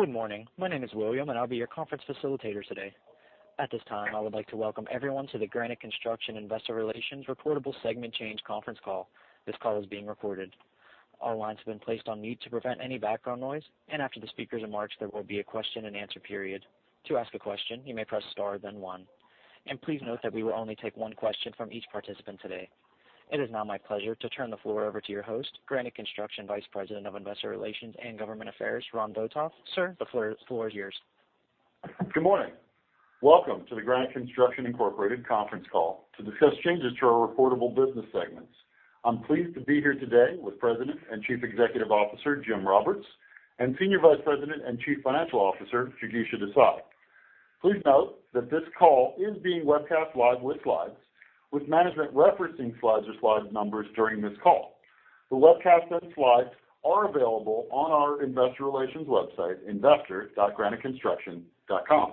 Good morning. My name is William, and I'll be your conference facilitator today. At this time, I would like to welcome everyone to the Granite Construction Investor Relations Reportable Segment Change conference call. This call is being recorded. Our lines have been placed on mute to prevent any background noise, and after the speakers' remarks, there will be a question-and-answer period. To ask a question, you may press star, then one, and please note that we will only take one question from each participant today. It is now my pleasure to turn the floor over to your host, Granite Construction Vice President of Investor Relations and Government Affairs Ron Botoff. Sir, the floor is yours. Good morning. Welcome to the Granite Construction Incorporated conference call to discuss changes to our reportable business segments. I'm pleased to be here today with President and Chief Executive Officer, Jim Roberts, and Senior Vice President and Chief Financial Officer, Jigisha Desai. Please note that this call is being webcast live with slides, with management referencing slides or slide numbers during this call. The webcast and slides are available on our investor relations website, investor.graniteconstruction.com.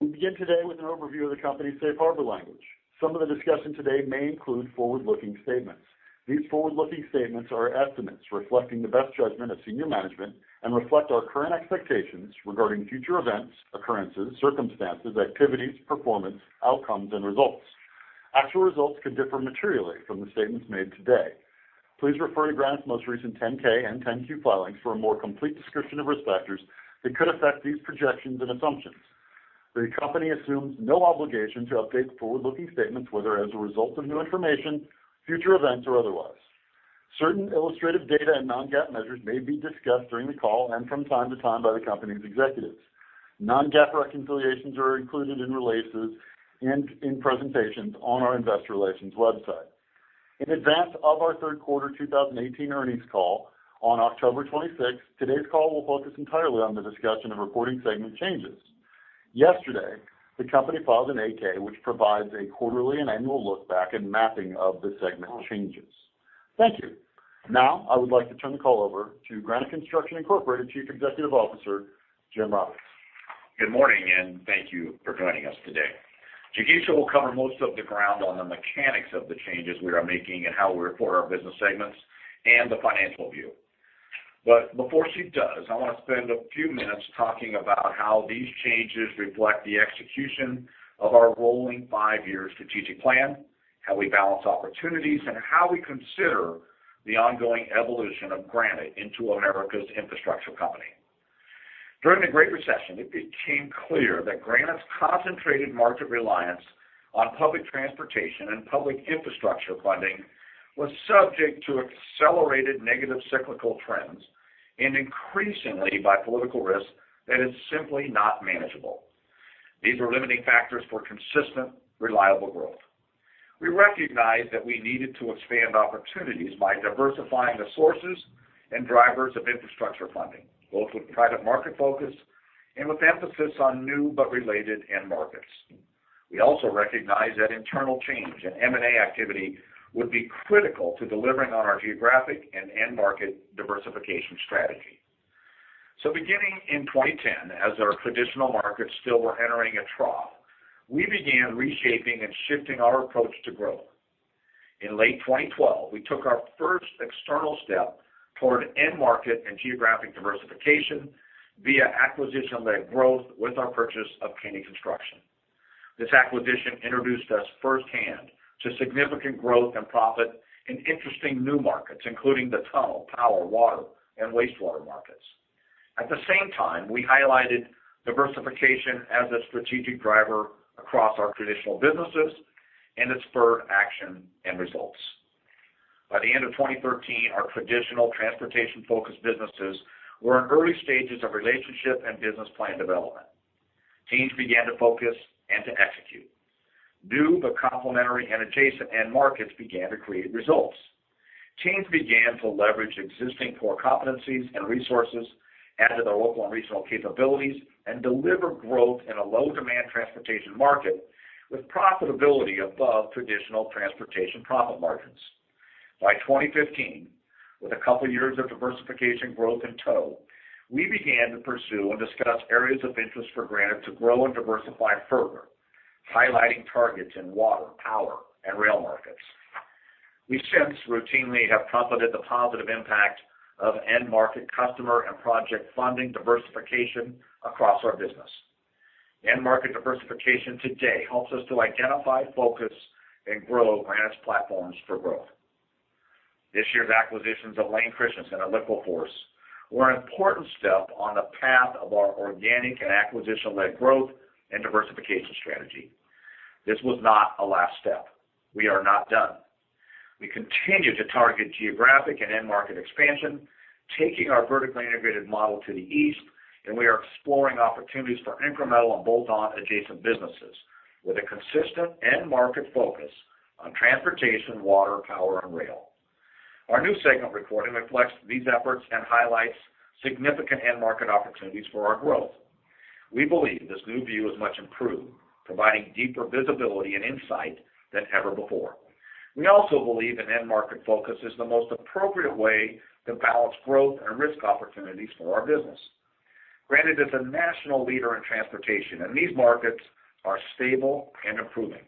We begin today with an overview of the company's safe harbor language. Some of the discussion today may include forward-looking statements. These forward-looking statements are estimates reflecting the best judgment of senior management and reflect our current expectations regarding future events, occurrences, circumstances, activities, performance, outcomes, and results. Actual results could differ materially from the statements made today. Please refer to Granite's most recent 10-K and 10-Q filings for a more complete description of risk factors that could affect these projections and assumptions. The company assumes no obligation to update forward-looking statements, whether as a result of new information, future events, or otherwise. Certain illustrative data and non-GAAP measures may be discussed during the call and from time to time by the company's executives. Non-GAAP reconciliations are included in releases and in presentations on our investor relations website. In advance of our third quarter 2018 earnings call on October 26th, today's call will focus entirely on the discussion of reporting segment changes. Yesterday, the company filed an 8-K, which provides a quarterly and annual look back and mapping of the segment changes. Thank you. Now, I would like to turn the call over to Granite Construction Incorporated, Chief Executive Officer, Jim Roberts. Good morning, and thank you for joining us today. Jigisha will cover most of the ground on the mechanics of the changes we are making and how we report our business segments and the financial view. But before she does, I want to spend a few minutes talking about how these changes reflect the execution of our rolling five-year strategic plan, how we balance opportunities, and how we consider the ongoing evolution of Granite into America's Infrastructure Company. During the Great Recession, it became clear that Granite's concentrated market reliance on public transportation and public infrastructure funding was subject to accelerated negative cyclical trends and increasingly by political risk that is simply not manageable. These were limiting factors for consistent, reliable growth. We recognized that we needed to expand opportunities by diversifying the sources and drivers of infrastructure funding, both with private market focus and with emphasis on new but related end markets. We also recognized that internal change and M&A activity would be critical to delivering on our geographic and end market diversification strategy. Beginning in 2010, as our traditional markets still were entering a trough, we began reshaping and shifting our approach to growth. In late 2012, we took our first external step toward end market and geographic diversification via acquisition-led growth with our purchase of Kenny Construction. This acquisition introduced us firsthand to significant growth and profit in interesting new markets, including the tunnel, power, water, and wastewater markets. At the same time, we highlighted diversification as a strategic driver across our traditional businesses and its third action and results. By the end of 2013, our traditional transportation-focused businesses were in early stages of relationship and business plan development. Teams began to focus and to execute. New but complementary and adjacent end markets began to create results. Teams began to leverage existing core competencies and resources, added their local and regional capabilities, and deliver growth in a low-demand transportation market with profitability above traditional transportation profit margins. By 2015, with a couple of years of diversification growth in tow, we began to pursue and discuss areas of interest for Granite to grow and diversify further, highlighting targets in water, power, and rail markets. We since routinely have confirmed the positive impact of end-market customer and project funding diversification across our business. End-market diversification today helps us to identify, focus, and grow Granite's platforms for growth. This year's acquisitions of Layne Christensen and LiquiForce were an important step on the path of our organic and acquisition-led growth and diversification strategy. This was not a last step. We are not done. We continue to target geographic and end market expansion, taking our vertically integrated model to the east, and we are exploring opportunities for incremental and bolt-on adjacent businesses with a consistent end market focus on transportation, water, power, and rail. Our new segment reporting reflects these efforts and highlights significant end market opportunities for our growth. We believe this new view is much improved, providing deeper visibility and insight than ever before. We also believe an end market focus is the most appropriate way to balance growth and risk opportunities for our business. Granite is a national leader in transportation, and these markets are stable and improving....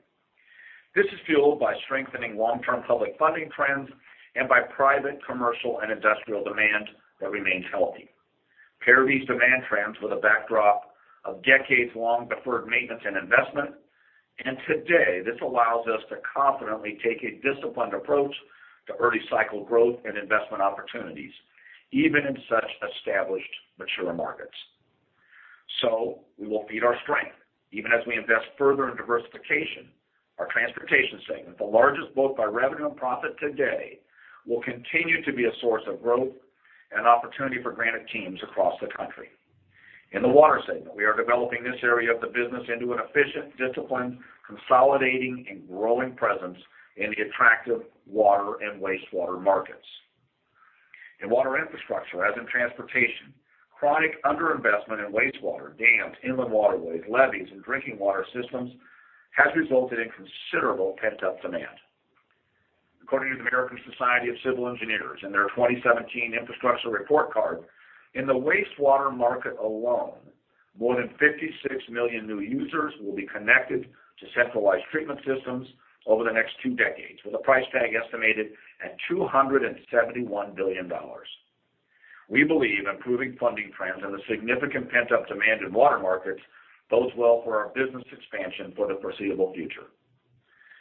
This is fueled by strengthening long-term public funding trends and by private, commercial, and industrial demand that remains healthy. Pair these demand trends with a backdrop of decades-long deferred maintenance and investment, and today, this allows us to confidently take a disciplined approach to early cycle growth and investment opportunities, even in such established, mature markets. So we won't beat our strength, even as we invest further in diversification, our transportation segment, the largest both by revenue and profit today, will continue to be a source of growth and opportunity for Granite teams across the country. In the water segment, we are developing this area of the business into an efficient, disciplined, consolidating, and growing presence in the attractive water and wastewater markets. In water infrastructure, as in transportation, chronic underinvestment in wastewater, dams, inland waterways, levees, and drinking water systems has resulted in considerable pent-up demand. According to the American Society of Civil Engineers, in their 2017 infrastructure report card, in the wastewater market alone, more than 56 million new users will be connected to centralized treatment systems over the next two decades, with a price tag estimated at $271 billion. We believe improving funding trends and the significant pent-up demand in water markets bodes well for our business expansion for the foreseeable future.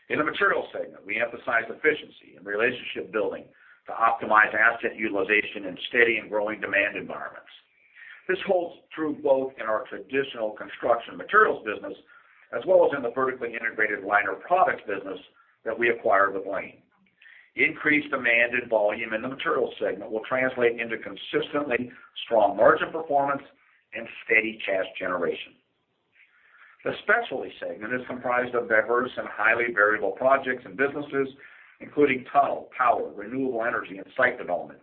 In the materials segment, we emphasize efficiency and relationship building to optimize asset utilization in steady and growing demand environments. This holds true both in our traditional construction materials business, as well as in the vertically integrated liner products business that we acquired with Layne. Increased demand and volume in the materials segment will translate into consistently strong margin performance and steady cash generation. The specialty segment is comprised of diverse and highly variable projects and businesses, including tunnel, power, renewable energy, and site development,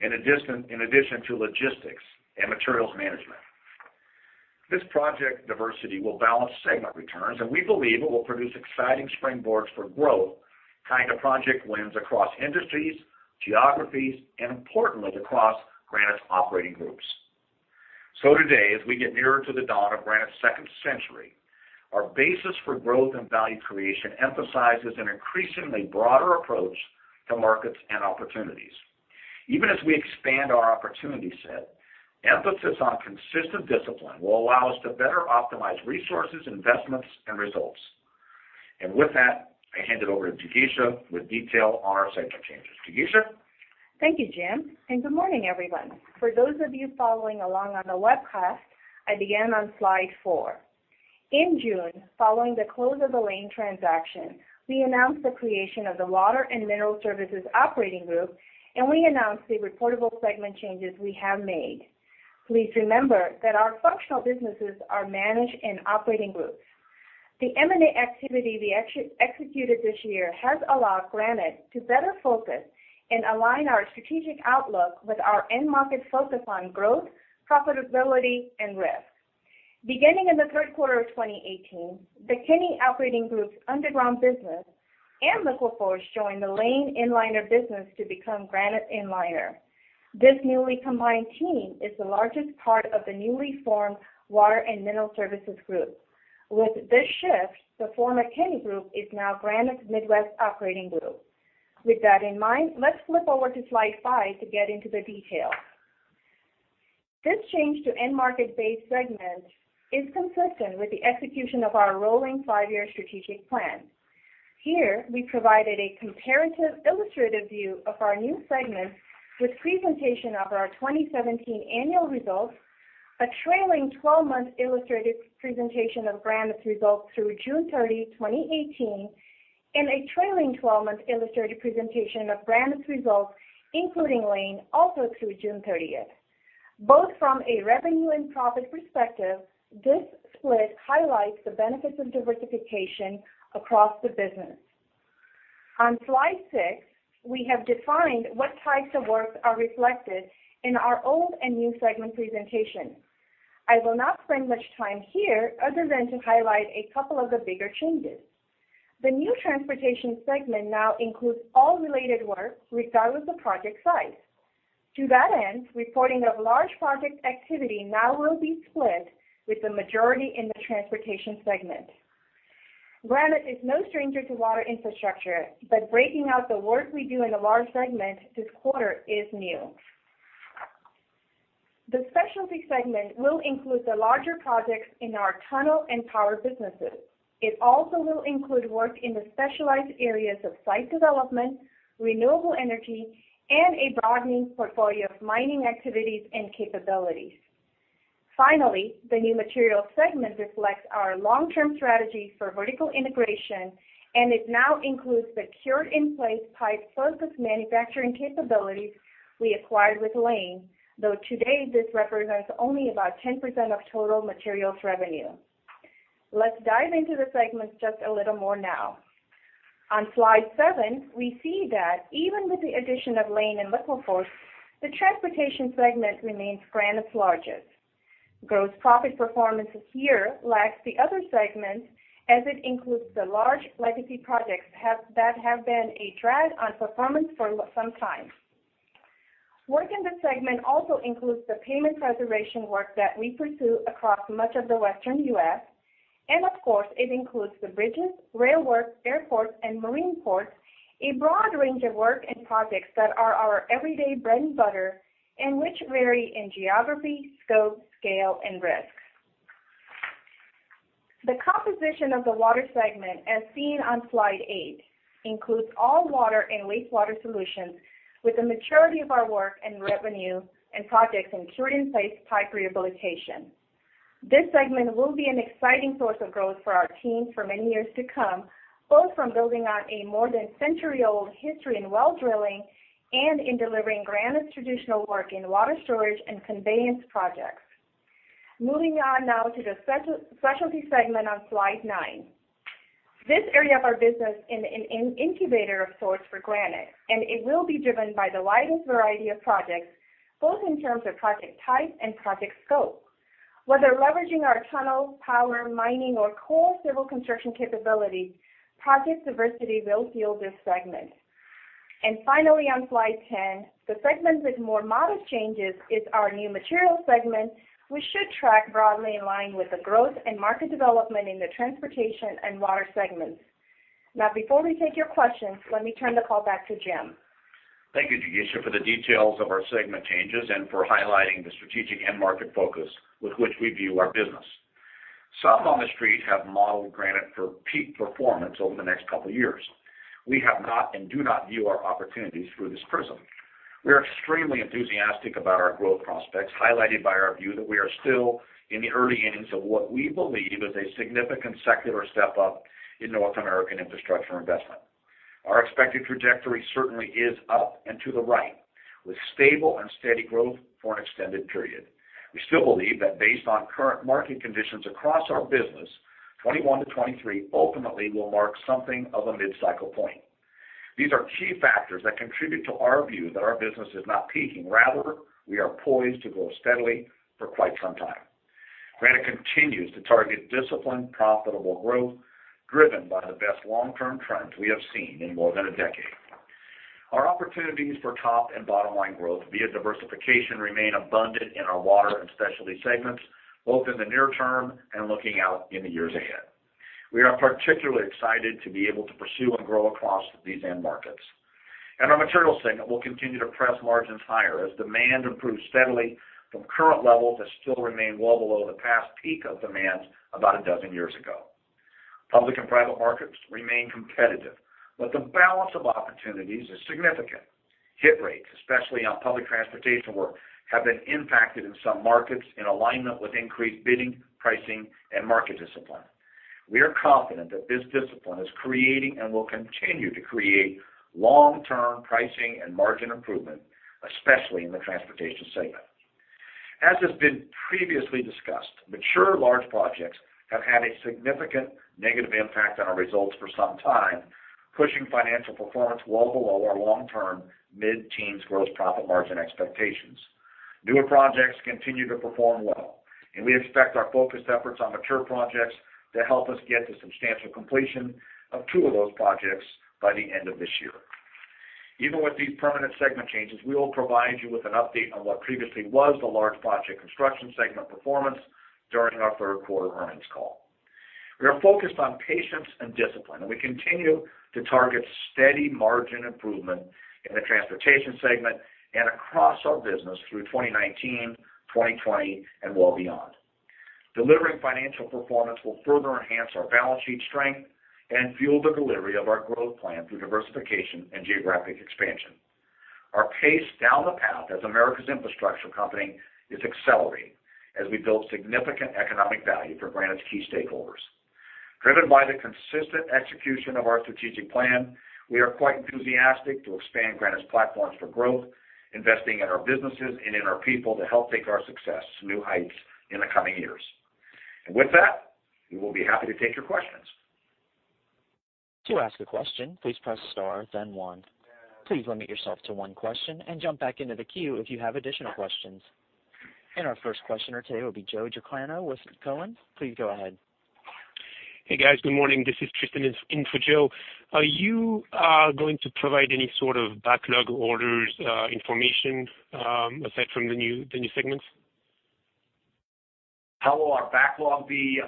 in addition to logistics and materials management. This project diversity will balance segment returns, and we believe it will produce exciting springboards for growth, kind of project wins across industries, geographies, and importantly, across Granite's operating groups. So today, as we get nearer to the dawn of Granite's second century, our basis for growth and value creation emphasizes an increasingly broader approach to markets and opportunities. Even as we expand our opportunity set, emphasis on consistent discipline will allow us to better optimize resources, investments, and results. And with that, I hand it over to Jigisha, with detail on our segment changes. Jigisha? Thank you, Jim, and good morning, everyone. For those of you following along on the webcast, I begin on slide 4. In June, following the close of the Layne transaction, we announced the creation of the Water and Mineral Services operating group, and we announced the reportable segment changes we have made. Please remember that our functional businesses are managed in operating groups. The M&A activity we executed this year has allowed Granite to better focus and align our strategic outlook with our end market focus on growth, profitability, and risk. Beginning in the third quarter of 2018, the Kenny Operating Group's underground business and LiquiForce joined the Layne Inliner business to become Granite Inliner. This newly combined team is the largest part of the newly formed Water and Mineral Services Group. With this shift, the former Kenny Group is now Granite's Midwest Operating Group. With that in mind, let's flip over to slide 5 to get into the detail. This change to end market-based segments is consistent with the execution of our rolling five-year strategic plan. Here, we provided a comparative illustrative view of our new segments with presentation of our 2017 annual results, a trailing 12-month illustrated presentation of Granite's results through June 30, 2018, and a trailing 12-month illustrated presentation of Granite's results, including Layne, also through June 30. Both from a revenue and profit perspective, this split highlights the benefits of diversification across the business. On slide 6, we have defined what types of work are reflected in our old and new segment presentation. I will not spend much time here, other than to highlight a couple of the bigger changes. The new transportation segment now includes all related work, regardless of project size. To that end, reporting of large project activity now will be split, with the majority in the transportation segment. Granite is no stranger to water infrastructure, but breaking out the work we do in the large segment this quarter is new. The specialty segment will include the larger projects in our tunnel and power businesses. It also will include work in the specialized areas of site development, renewable energy, and a broadening portfolio of mining activities and capabilities. Finally, the new materials segment reflects our long-term strategy for vertical integration, and it now includes the cured-in-place pipe focus manufacturing capabilities we acquired with Layne, though today, this represents only about 10% of total materials revenue. Let's dive into the segments just a little more now. On slide 7, we see that even with the addition of Layne and LiquiForce, the transportation segment remains Granite's largest. Gross profit performance this year lacks the other segments, as it includes the large legacy projects that have been a drag on performance for some time. Work in this segment also includes the pavement preservation work that we pursue across much of the Western US, and of course, it includes the bridges, rail work, airports, and marine ports, a broad range of work and projects that are our everyday bread and butter, and which vary in geography, scope, scale, and risk. The composition of the water segment, as seen on slide 8, includes all water and wastewater solutions, with the maturity of our work and revenue and projects in cured-in-place pipe rehabilitation. This segment will be an exciting source of growth for our team for many years to come, both from building on a more than century-old history in well drilling and in delivering Granite's traditional work in water storage and conveyance projects. Moving on now to the specialty segment on slide 9. This area of our business is an incubator of sorts for Granite, and it will be driven by the widest variety of projects, both in terms of project type and project scope. Whether leveraging our tunnel, power, mining, or core civil construction capabilities, project diversity will fuel this segment. And finally, on slide 10, the segment with more modest changes is our new material segment, which should track broadly in line with the growth and market development in the transportation and water segments. Now, before we take your questions, let me turn the call back to Jim. Thank you, Jigisha, for the details of our segment changes and for highlighting the strategic end market focus with which we view our business. Some on the street have modeled Granite for peak performance over the next couple of years. We have not and do not view our opportunities through this prism. We are extremely enthusiastic about our growth prospects, highlighted by our view that we are still in the early innings of what we believe is a significant secular step up in North American infrastructure investment. Our expected trajectory certainly is up and to the right, with stable and steady growth for an extended period. We still believe that based on current market conditions across our business, 2021 to 2023 ultimately will mark something of a mid-cycle point. These are key factors that contribute to our view that our business is not peaking, rather, we are poised to grow steadily for quite some time. Granite continues to target disciplined, profitable growth, driven by the best long-term trends we have seen in more than a decade. Our opportunities for top and bottom line growth via diversification remain abundant in our water and specialty segments, both in the near term and looking out in the years ahead. We are particularly excited to be able to pursue and grow across these end markets. Our materials segment will continue to press margins higher as demand improves steadily from current levels that still remain well below the past peak of demand about a dozen years ago. Public and private markets remain competitive, but the balance of opportunities is significant. Hit rates, especially on public transportation work, have been impacted in some markets in alignment with increased bidding, pricing, and market discipline. We are confident that this discipline is creating and will continue to create long-term pricing and margin improvement, especially in the transportation segment. As has been previously discussed, mature large projects have had a significant negative impact on our results for some time, pushing financial performance well below our long-term mid-teens gross profit margin expectations. Newer projects continue to perform well, and we expect our focused efforts on mature projects to help us get to substantial completion of two of those projects by the end of this year. Even with these permanent segment changes, we will provide you with an update on what previously was the large project construction segment performance during our third quarter earnings call. We are focused on patience and discipline, and we continue to target steady margin improvement in the transportation segment and across our business through 2019, 2020, and well beyond. Delivering financial performance will further enhance our balance sheet strength and fuel the delivery of our growth plan through diversification and geographic expansion. Our pace down the path as America's infrastructure company is accelerating as we build significant economic value for Granite's key stakeholders. Driven by the consistent execution of our strategic plan, we are quite enthusiastic to expand Granite's platforms for growth, investing in our businesses and in our people to help take our success to new heights in the coming years. With that, we will be happy to take your questions. To ask a question, please press star, then one. Please limit yourself to one question and jump back into the queue if you have additional questions. Our first questioner today will be Joseph Giordano with Cowen. Please go ahead. Hey, guys. Good morning. This is Tristan in for Joe. Are you going to provide any sort of backlog orders information aside from the new segments? How will our backlog be,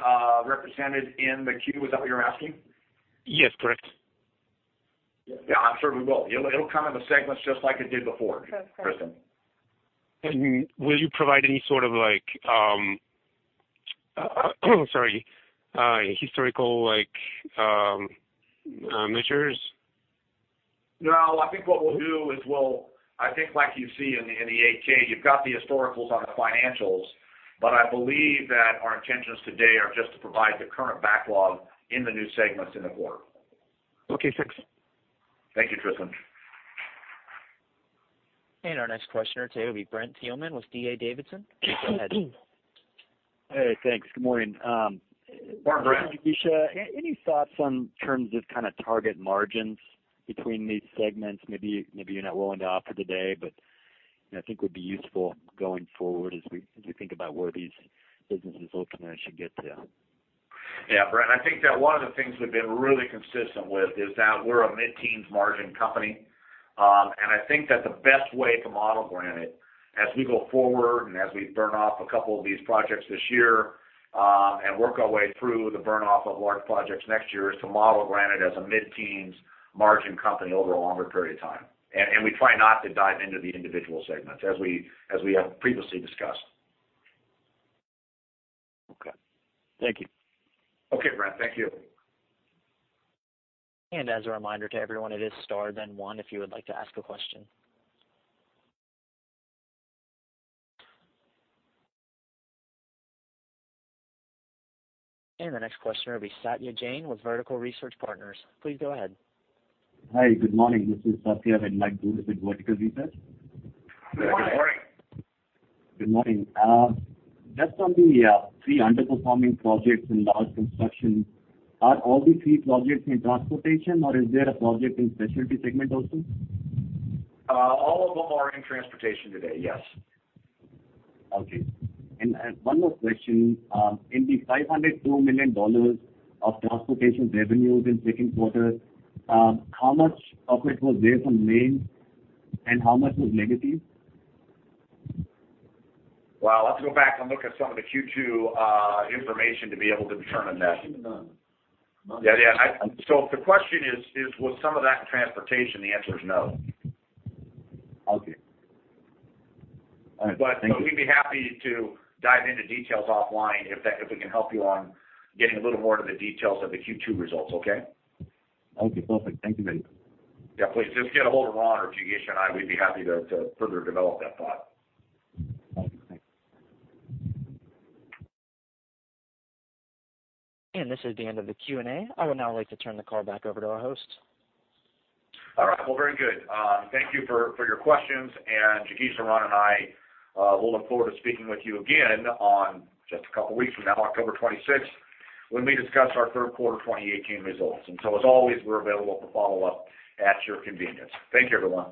represented in the queue? Is that what you're asking? Yes, correct. Yeah, I'm sure we will. It'll, it'll come in the segments just like it did before- That's correct... Tristan. Will you provide any sort of like, sorry, historical like, measures? No, I think what we'll do is we'll... I think like you see in the, in the 8-K, you've got the historicals on the financials, but I believe that our intentions today are just to provide the current backlog in the new segments in the quarter. Okay, thanks. Thank you, Tristan. Our next questioner today will be Brent Thielman with D.A. Davidson. Go ahead. Hey, thanks. Good morning. Good morning, Brent. Jigisha, any thoughts on terms of kind of target margins between these segments? Maybe, maybe you're not willing to offer today, but I think it would be useful going forward as we, as we think about where these businesses ultimately should get to.... Yeah, Brent, I think that one of the things we've been really consistent with is that we're a mid-teens margin company. And I think that the best way to model Granite as we go forward and as we burn off a couple of these projects this year, and work our way through the burn off of large projects next year, is to model Granite as a mid-teens margin company over a longer period of time. And we try not to dive into the individual segments, as we have previously discussed. Okay. Thank you. Okay, Brent, thank you. As a reminder to everyone, it is star, then one, if you would like to ask a question. The next question will be Satya Jain with Vertical Research Partners. Please go ahead. Hi, good morning. This is Satya with Mike Brooks with Vertical Research. Good morning! Good morning. Just on the three underperforming projects in large construction, are all the three projects in transportation, or is there a project in specialty segment also? All of them are in transportation today, yes. Okay. And one more question. In the $504 million of transportation revenues in second quarter, how much of it was there from Layne and how much was in Nevada? Well, I'll have to go back and look at some of the Q2 information to be able to determine that. Yeah, yeah, so if the question is, is, was some of that in transportation? The answer is no. Okay. All right, thank you. We'd be happy to dive into details offline if that, if we can help you on getting a little more into the details of the Q2 results, okay? Okay, perfect. Thank you very much. Yeah, please just get a hold of Ron or Jigisha and I, we'd be happy to, to further develop that thought. Okay, thanks. This is the end of the Q&A. I would now like to turn the call back over to our host. All right, well, very good. Thank you for, for your questions, and Jigisha, and Ron, and I will look forward to speaking with you again on just a couple of weeks from now, October twenty-sixth, when we discuss our third quarter twenty eighteen results. And so as always, we're available for follow-up at your convenience. Thank you, everyone.